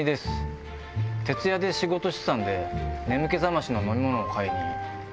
徹夜で仕事してたんで眠気覚ましの飲み物を買いに。